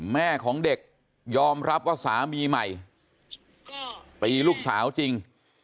แม่ของเด็กยอมรับว่าสามีใหม่ตีลูกสาวจริง